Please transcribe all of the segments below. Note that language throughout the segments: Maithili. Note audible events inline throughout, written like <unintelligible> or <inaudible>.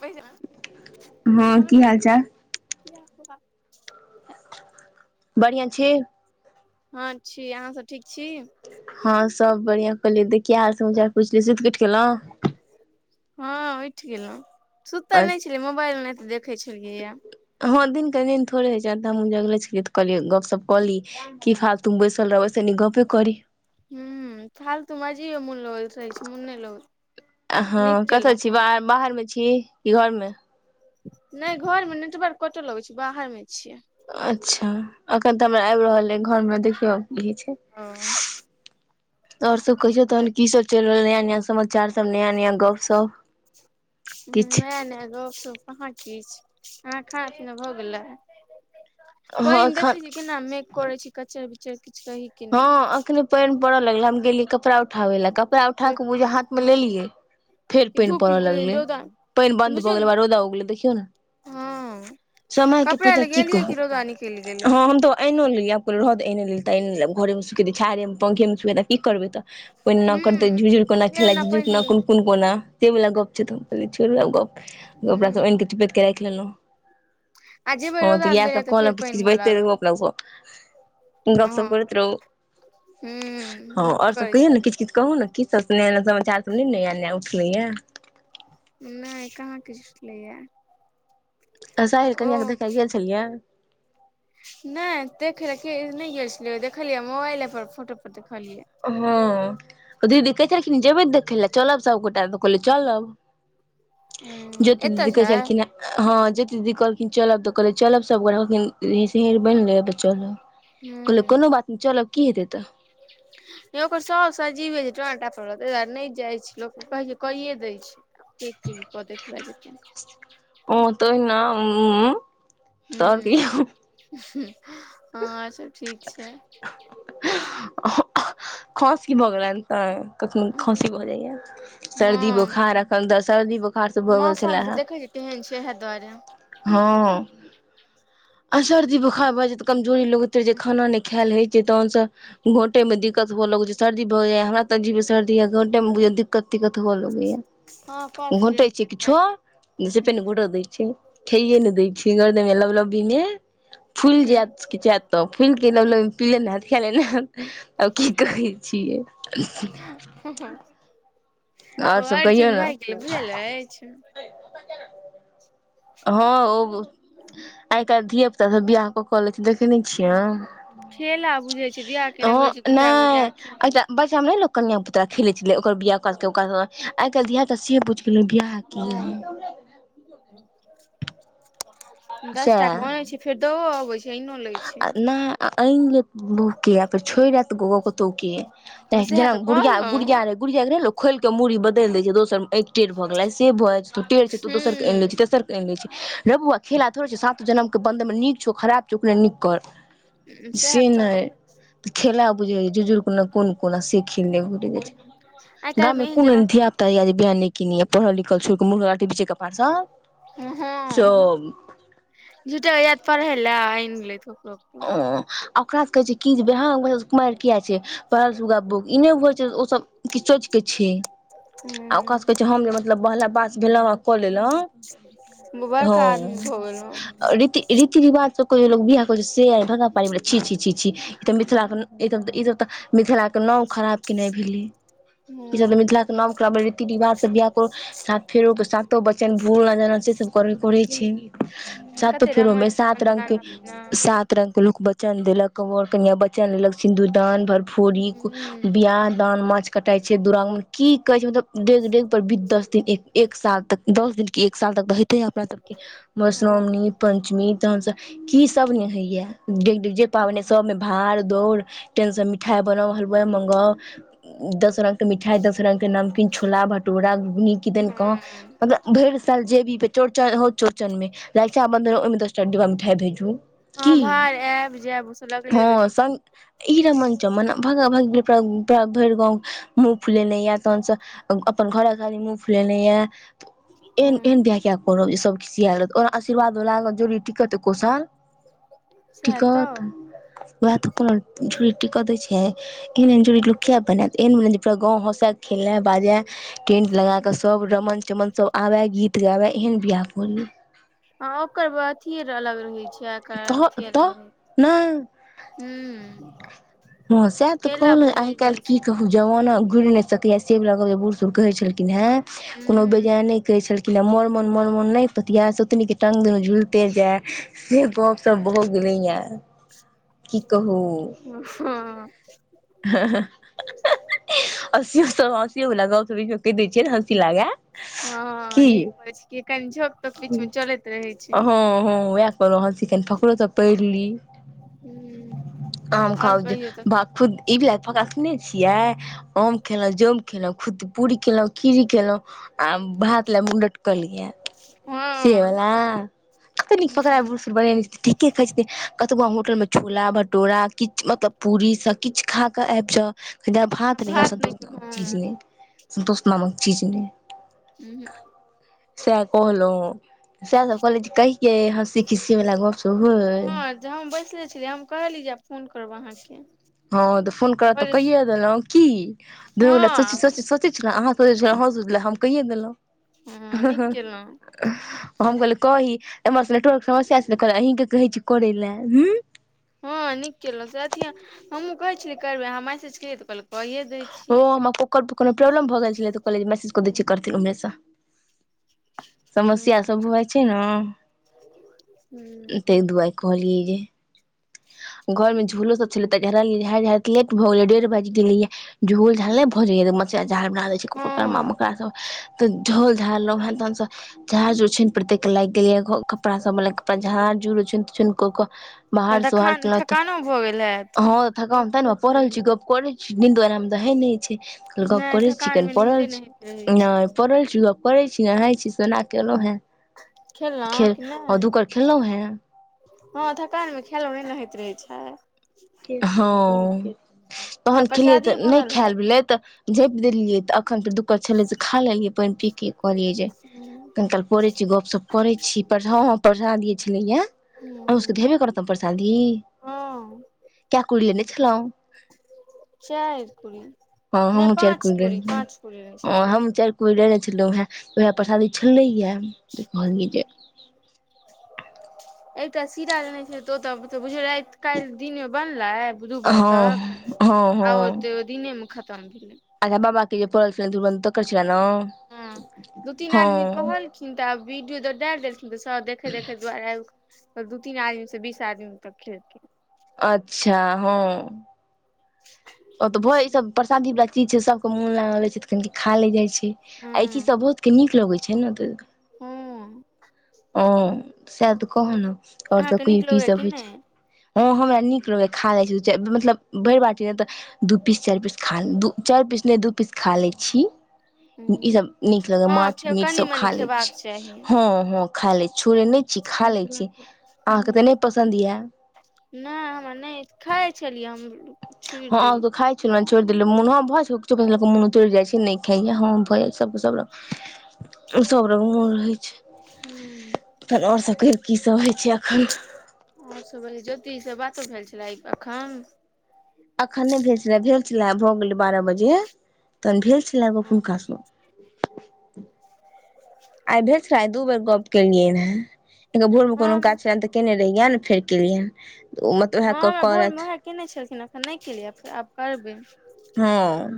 पेसा हँ की हाल चाल <unintelligible> बढ़िआ छी। हँ, छी, अहाँ सब ठीक छी। हँ सब बढ़िया कहलियै देखिया हाल समाचार पुछियै, सुति के उठि गेलहुं। हँ, उठि गेलहुँ, सुतल नहि गेलहुँ छलियै, मोबाइल नेट देखै छलियैए। हँ, दिनके निन थोड़े होइ छै आ जगले छलियै तऽ कहलियै गपशप कऽ ली। की फालतू बैसल रहबै, ऐसे गपै करी। हुं फालतू मा जीओ मुल लगै छै। मोन नहि लगैत नीक हँ, कतऽ छी? केलहुँ बाहरमे छी कि घरमे? नहि, घरमे नेटवर्क कटऽ लगै छै, बाहरमे छियै। अच्छा, अखन तऽ हमरा आबि रहल अछि घर मे, देखियौ ई छै ओ आओर सब कहियौ तखन कि सब चलि रहलै नया-नया समाचार सब नया-नया गप सब। नया नया गप-सप कहाँ किछु, अहाँ खाना-पीना भऽ गेलै? हँ पानि देखै एखन छी केना मेघ करे छै कचर बिचर किछु कहै हँ, अखने पानि पड़ऽ लगलै, हम गेलियै कपड़ा उठाबे ला, कपड़ा उठा कऽ बुझाइये हाथमे लेलियै फेर पानि धूप पड़य लगलै, रौदा पानि बन्द भऽ बुझियौ गेलै ने हमरा रौदा भ गेलै देखियौ ने। हँ समयके कपड़ा पहिले लए की गेलियै कहू कि रौदा निकलि गेलै ह, हम तऽ ऐनो लेलियै आब कहलियै रह दे तऽ ऐने लेलियै तऽ ऐने लब घरमे सुखेतै छाहैरे मे पंखेमे सुखे तै कि करबै तऽ। कोई न करतै हूं झूझुरकोना फेर खेलाई ओना पानि झझुरकोना कोन कोन कोना से वला गप छै तऽ कह छोड़ू ने गप हेबे कपड़ा हूं आनि के चोपेट के राखि लेलहुँ। आ जेबै हँ, तऽ रौदामे इएह दै लए सब कहल फेर किछ पानि किछु हुअ बजते लागत रहै गप हँ सब। हूं हँ नीक आओर सब करै कहियौ छी ने किछ किछ। कहू ने की सब नया नया समाचार सब नै ने नया नया उठलै या। नैऽ कहाँ किछ <unintelligible> टलैयैऽ। त साहिल कनियां के देखए गेल छलि यैऽ? नय देखेलय के-नय गेल छलियैयैऽ, देखलियै मोबाइले पर फोटो पर देखलियैऽ। हँ। दीदी कहै छलखिन जेबैय देखैऽ लए चलब सभगोटा तऽ कहलियैऽ चलब। हूं ज्योति एतऽ दीदि छै कहैछलखिन्हे हँ जोति दीदी कहलखिन चलब तऽ कहल चलब सभ गो- कहलखिन, निशिन बैन लेब त चलब। कहलै कोनो बात नय, चलब की हेतै तऽ <unintelligible> गै ओकर साउस अजीवे छै, टोना टापर वला, तय दुआरे नय जाइ छै लोक कहै छै, कैयेऽ दै छै। <unintelligible> ओ तो ओहिना उं-उं -उं, त और हूं की? हँ, सब ठीक छै। खस की भ गैलैन? अ कखनो खांसी भऽ जाइयैऽ, सर्दी बोखार, अखन त सर्दी बो- मौसम के देखै छै, केहन छै इहै दुआरे। हँ। आ सर्दी बोखार भ जेतय, कमजोरी लगैत रै छै, खाना नय खैल हय तहन स, घोंटय मे दिक्कत हुअ लगै छै। सर्दी भ जाइयैऽ हमरा त अजीबे स- दी, घोंटय मे बुझैयै दिक्कत तिक्कत हुअ हँ लगैयैऽ। कफ जैम घोंटय छियै गेल हैत किछ्छो, सेंपेने घोंट दै छै। खइये ने दै छै, <unintelligible> लगैयै लबलब्बीमे फूइल ज़ैत, कि जैत तब फूल के लबलब, पीले नै हैत खैले नय हैत आब की करै छियै। ओ आओर सब कहियौ अर्जुन ने भैग गेलय, बुझल अइछ? हँ ओ- आइ काइल धिये -पुता सब बियाह कऽ कऽ लै छै, देखै नय छियै? खेला बुझै छै बियाह केने तहों बुझै छै गुड्डा गुड़िया नय, के एकटा बच्चा मे नै लोक कनिया पुतरा खेलय छलै ओकर बियाह ओकसा ओका-, आइ काइल धिया-पुता से बुइझ <unintelligible> बिआह किया दसटा घोंइछ फेर दओ अबैय छै। लै छै आ नय ऐन लेत बौह के आ फेर छोइड़ ऐत गो कतौउ के हँ सएह जेना तऽ गुड़िया, कहलौं गुड़िया-रहै, गुड़िया के नै लोक खोइल केऽ मुरी बदैल दै छै, दोसर अय टेढ़ भऽ गेलय, से भऽ जाय छै, तू टेढ छय तय दोसर के आइन लै हुँ छै, तेसर के आइन लै छै, रौ बौआ खेला थोड़े छै, सात जनमके बन्धनमे नीक छौ, खराब छौ, अपने नीक कर। सएह से तऽ नय, खेला बुझै छय झुझुर कोना कोन कोना से खेला <unintelligible> जाय छय, आइ गाम काल्हि मे में एहन कोन जमा एन धिया-पु- कैयै जे गैऽ नय किनिहें, पढ़ल -लिखल छोइर क मुर्ख लाटी बिचे कपारसँ हं-हँ, झूठ्ठे के जैत पढ़ैय लय ऐन लेत ककरो ओं, ओकरा सब के होय छय की जे बियाह <unintelligible> कुमैइर कियैऽ छै? पढल सुगा बुक्क, ई नै बुझय छै ओ सब किछ सोइच के छै, आ ओकरा हुँ सबके होय छय, हम ने मतलब पहला पास भेलहुँ आ कऽ लेलौं, बड़का आदमी भऽ गेलौं हँ- रीति- रीति -रिवाज स कोय बियाह कलैछै से भगा परैवला छी- छी -छी ई तऽ मिथिलाके न्- ईसभ तऽ- ईसभ तऽ -मिथिलाके नांव खराब केनाय भेलैय। ई सब त हुँ मिथिला के नाम खाब <unintelligible> रीती- रिवाज सब बियाह कर, <unintelligible> से सब <unintelligible> करय छय, कते सातोंफेरो रमन में सात चमन रंग खाना पीना के-सात सात रंग के लोग बचन देलक, वर कनिया बचन लेलक, सिन्दूदान भर फोरी, हुँ बियाह, दान, माछ कटाई छै दरांग मे की कहे छै, मतलब डे- डेग पर बी दस दिन एक साल तक। दस दिन एक साल तक होइते अय अपना सबके, के हँ मधुश्रावी पंचमी तहन से की सब नै होइया डेग- डेग जे पाबनिइ सभमे भाड़ दौड़ टेन से मिठाई बनाउ हलुवा मंगाउ, दस रंग के मिठाई दस रंग के नाम छोला भटूरा, घुघनी, किदन कहाँ हँ मतलब भरि साल जे भी, चौरचन हौ चौरचन में, रक्षाबन्धन ओइमे दस टा डिब्बा मिठाई भेजू। हँ की भार आयब- जायब ओसभ लगले हँ रहै छै। संग ई रमन चमन भागा-भागी ओकरा भैर गाँव मुँह फुलेने या तहन से अपन घरवालीक आदमी मुंह फुलैने याऽ। एहन- हँ एहन बियाह कियै कऽ रहले जे सभ खिसयैल, ओहन आशीर्वाद लागत जोड़ी टिकत एको साल। टिकत तऽ वएह तऽ कहलौं जोड़ी टिकऽ दै छै। एहन- एहन जोड़ी लोक किया बनैत, एहन बन जे पूरा गाँव हँसा खेले बाजे। टेंट लगा कऽ सब रमन -चमन सब आबै। गीत गाबै एहन बियाह कऽली। हँ ओकर व अथि अलग रहै छै, आ एकर तऽ अथि तऽ अलग रहय नहि हूं। हँ सैह तऽ कहलौं आइ काइल जाइ कि छै कहू जवाना घुर नइ सकैया से वला जे बूढ़- सूढ़ कहे छलखिन हें कोनो हूँ बेजाए नै कहे छलखिन हें, मोर मोन- मोन मोन नइ पतियै सोतनीक के टांग दूनू झुलिते जाय। से गप सप भऽ गेले यै की कहू। हूं। हा- हा। हँसी बला गप्प कहि दैऽ छीयै जे हँसी लागे। हँ नीक करै छी, कनि झोंक- छौंक बीच में चलैत रहै छै हँ- हँ उएह कऽ रहल छी, कनि फकड़ो तऽ पैढ़ ली। हूं आम और खाउ कहिओ तखैन। खुद ई बला फकड़ा सुनने छियै? अम खेलहुँ, जोम खेलहुँ, पूरी खेलहुँ, खिरी खेलहुँ आ भात ले मुँह ल लटकल यै से हँ बला। कतेक नीक फकरा हूँ बुढ़ सूढ़ बनेने छथिन, ठीके कहैत छथिन कतबो आहां होटल में छोला भटूरा किछ मतलब पूरी सब किछु खा कऽ आइब जाउ जाबे आहां भात नै खैब, नहि सन्तोष नामक चीज हँ नै, संतोष नामक चीज नै। उहूं। सैह कहलहुँ सैह, तऽ कहलियै जे कहिए हँसी खिसी बला कतो होई। जाह हम बैसले छलियै, हम कहलिये जे आब फोन करब अहाँके। हँ तऽ फोन करब तऽ कहलियै कइए देलहुं की, दुनू गोटा सोची- हँ सोच -सोच- सोच अहाँ सोचय छलहुंँ, हम सोचै छलहुँ, हम कइयै देलहुँ। हँ नीक केलहुँ। हम कहलियै कही एम्हर से नेटवर्कके समस्या छलय, कहलियै अहींके कहय छी करय लै। हँ नीक केलहुँ से अथिये, हमहूँ कहैत छलिये करबै, अहाँ मैसेज केलियै तऽ कहल कऽ ए दै छी। कतऽ कोनो प्रॉब्लम भऽ गेल छलै, तऽ कहलियै मैसेज कऽ दय करथिन उम्हरे सँ। समस्या सब भऽ जाय छै ने, तै दुआर कहलियै जे घर मे झूलो सब छलै तऽ लेट भऽ गेलै, डेढ़ बाइज गेलियै, झोल झाल नै भऽ जाइए। हँ तऽ झोल झारलहुं हें तहन से झाड़ जे छै नै <unintelligible> लाएग गेल यै, घर में कपड़ा सबमें कपड़ा झार झुर किचन-तिचन क कै बाहर तहन से तऽ खान थकानो भऽ गेल हैत। अ थकान तैँ नै वैह पड़ल छी, गप करय छी, निन्दो आराम तऽ हय नै छै, गप नहि करय छी थकान कनि मे पड़ल नीन्दे छी, नहि होइत रहै नै छै पड़ल छी गप करय छी, नहाय छी सोना के ऐलौं हें खेलहुँ खेल कि आ दु कौर खेलौं हें। हां थकान मे खाएलो नय नै होएत रहय छै। हां आ तहन खेलियै प्रसादिये तऽ नै बनल खैल हैत भेलय तऽ झैप देलियै तऽ अखन फेर दु कर छलै से खा लेलियै पैन पी के कहलियै जे हूँ कनिकाल करय छीयै गप-सप करय छीयै पठ हां पठा धी छलय यै अहु सबके त हेबे करत नै प्रसादी हां। कै कुड़ी लेनय छेलौं। चाएर कुडी़। हां हम्हुं चाएर कुड़ी लेलिए, हां छलियै हम चाएर कुड़ी लेलय छलौं हें उहै परसादी छलय यै त कहलिए जे एकटा सीरा लेनय छलय त ओ तै आब तऽ बुझयौ राएत काएल दिन में बनलै दू बजे हँ तक हँ आ ओ हँ त दिने मे खत्म भेलय। अच्छा बाबा के जे परल छलय दुगो तकर छलय नै ओ हां। खिन्ह त आब वीडियो तै दै देलखिन्ह सब देखय देखय के दुआरें ऐब तब दू-तीन आदमी से बीस आदमी तब खेल कै। अच्छा हां। ओ तऽ भ ई सब परसादी वाला चीज छै सबके मुन लागल रहय छै त कनि खा लै जाए छै। ई ऐ चीज से बहुत के नीक लगय छै नै त हां। औं सैह तै कहलो और सब अहाँके नीक कहियो की लगैया सब कि होय छै। हां हमरा नीक लगय यै खा लय छी दुई चाएर मतलब उम्म भैर बाटी नै तै दू पीस, चाएर पीस, खान दू चार पीस नै दू पीस खा लय छी। हुं ई नहि सब नीक लगै हय हँ माछ, खे मीट कनि सब मनि खा लय खेबाक छी चाही हां-हां। खा लै, छोड़े नै छीयै, खा लै छी। अहाँके हुं तऽ नहि पसन्द ये नै हमरा नै खाय छलियै हम रु हां उ तऽ खाय छलौ ऐ छोएड़ देलौ मुन‌ हां भ जाए छै लोक के कीछो <unintelligible> मोन उतैर जाए छै नै खाइए हां भऽ जाए छै सबके सब रंग। सब रंग मोन रहै छै हूँ तहन और सब कहियो की सब हय छै एखन। और सब, ज्योति से बातो भेल छलाए ए अखन? अखन नै भेल छलाए, भेल छलाए भऽ गेलै बारह बजे तहन भेल छलाए गप हँ हुनका से। आय भेल छलाए आय दू बेर गप केलियैन हें, एक बेर भोर मे कोनो हँ काज छलैय केने रहियैन फेर केलियैन ओ मतलब उएह हां हमरा भोर मे करत उहै कैने छलखिन्ह एखन नै केलिए यै फेर आब करबै। हां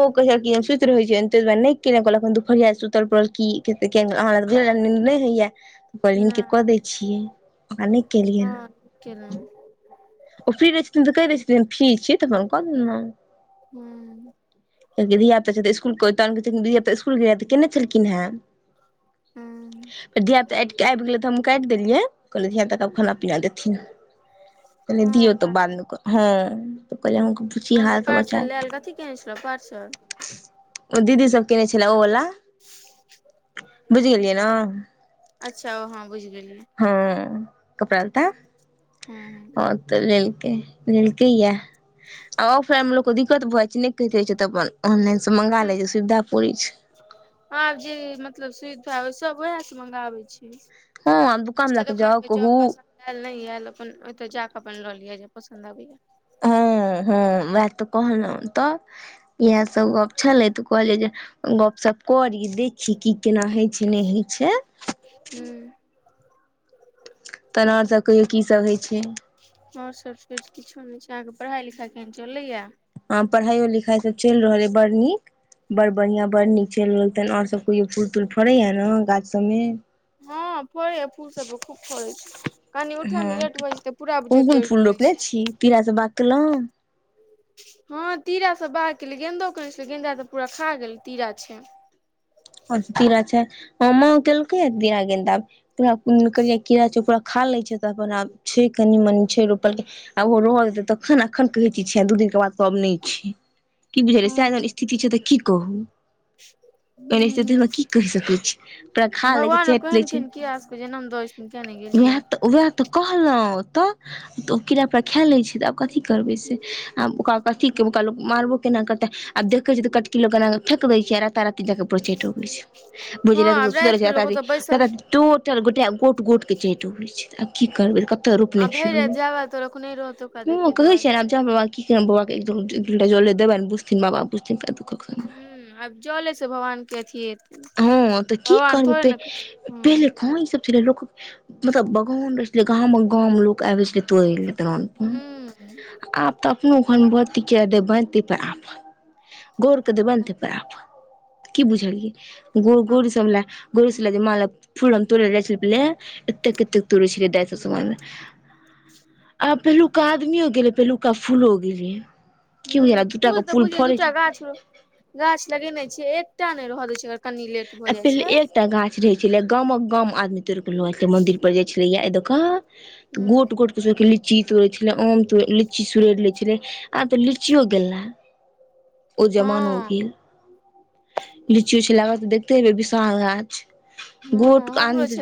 ओ कहियो-कहियो सुईत रहय छैन। तै दुआरे नै केलौं कहलौ एखन दुफरिया छै सुतल पड़ल की <unintelligible> नै हय यै। अपन हिनके नहि कऽ दैन छियै ओकरा नै केलियैन। केना? ओ फ्री रहय छथिन तऽ कह दै छथिन जे फ्री छीयै तऽ अपन कऽ देलौं। हूं उ <unintelligible> हूँ फेर धियापुता आबि गेलै त हमहु काटि देलये, कहलिय धियापुता के आब खाना पिना देथिन। पेहने हँ दियऔ तऽ बाद में करब हँऽ। त कहहिले अहु के पुछि अहाँके हाल पार्सल समाचार। लायल कथी केने छलहुँ पार्सल ओ दीदी सब केने छले ओ वला, बुझि गेलिय न। अच्छा ओ हॅं बुझि गेलिय हँ कपड़ा लता हूँ हँ तऽ लेलके लेके ये आ फैमलो कोइ दिक्कत भऽ जाइ छै, नहि कहैत रहै छै, तऽ अपन ऑनलाइनसँ मँंगा लै छै, सुविधा पड़ै छै। हँ जे मतलब सुविधा, सभ वैह स मंगाबै छै हँ आब दुकान लऽ दसटा कऽ दोकान में जाउ कहू पसन्द ऐल नय ऐल, अपन ओतय जाक अपन ललिय, जे पसन्द आबैया। हँ- हँ वैह तऽ कहलौं तऽ ऐएह सब गप छलयै, तऽ कहलयै जे गपशप करी दे खी कि केना होइ छै, नहि होइ छै। हूं तहन और सब कहियौ की सभ होय छै। और सब सोच किछो नहि छै, अहाँके पढ़ाई लिखाई केहन चलय ये। आ पढ़ाइयो लिखाइसभ चलि रहलै, अय बर नीक बड़ बढ़ियां बड़ नीक चलि रहल तहन और सब कहियो फूल तूल फरय नै गाछ सब में। हँ फरये फूल सब खूब फरय छै, कनि उठय मे लेट भ जाय छै ते पूरा बुझियौ तोड़ ले छै। ऐ छी पीरा से बात कें लों हँ तीरा सब बाग केलये,, गेंन्दो केने छलै, गेंन्दा तऽ पूरा खा गेल तीरा छै हं तीरा छै, हं मां केलकै तीरा गेंदा, पूरा कुन करी कीड़ा छो पुरा खा ले छै, तऽ अपन आब छै, कनि मनी छै, रोपल के आ ओहो रह देे तय तखन न। अखन क्रिटी छैन, दू दिनक के बाद कहब नहि छै, की बुझल य सैह जहन स्थिति छै तऽ की कहू। <inaudible> ओहन हुंऽ स्थितिमे की कहि सकै छी पूरा खा लै छै भगवानो चाटि लै केहेन छै केहन कीरा सबके जनम द हम कियाने उएह गेलयै। तऽ उएह तऽ कहलहुं त, ओ कीड़ा पुरा खा ले छै। तऽ आब कथी करबै से, आब ओकरा कथि के ओकरा लोक मारबो केना करतै। आब देखय छीय त कटकि लक ऐना क फेक दै छीय, आ राता राती जा क परचैट अबै छै। भौजी हँ राति क आब सुतल रहै छै के राता लोक राति ओतऽ राता बैसल राति टोटल गोटे गोट- गोट क चैट अबय छै, आ की करबै कत त आ रूकलय भरि राति जाबे त लोक नहि रहत ओकरा हं देखे कहै दुआरे छै आब जाउ कि बाबा के एक दु लोटा जल देबनि, बुझथिन बाबा बुझतिन हुं आब जले से भगवान के अथि हेत हँ तऽ की करतै पहिले छथिन कहां ई सब सीधे लोक मतलब बगान रहै छलै, गाम गाम लोक आबे छलै तोड़े ले। दलान पर, ह आब तऽ अपनो घर में बती किये देबेन तय पर आफद। गोरक देबैन तै पर आफद, कि बुझलियै गुर हँ गुर सब ले। गुरुस ले जे मां ले फुल हम तोड़ै ले जाइ छलिय पहिले, इतेक- इतेक तोड़य छलिय दाय सब समान ले। आब पहिलुका आदमियों गेलै पहिलुका फूलो गेलै की ह बुझल दूटा फूल के तऽ बुझियो फड़ै दूटा छै गाछ रो गाछ लगेने छियै एकटा नहि रह दय छै कनि लेट भऽ जाए पहिले छै एकटा गाछ रहै छलै गाम गाम आदमी तोड़ क लऽ जाए मंदिर पर जा छलै यै अय दक तऽ ह गोट गोट एक दूसरा के लीची तोड़ै छलै आम तोड़ लीची सुरड़ि लै छलै आब तऽ लीचियो गेला ओ जमानो हँ गेल लीची उची लागल तऽ देखते हेबै विशाल गाछ हँ गोट आन हमरो छलै